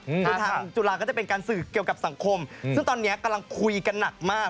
คือทางจุฬาก็จะเป็นการสื่อเกี่ยวกับสังคมซึ่งตอนนี้กำลังคุยกันหนักมาก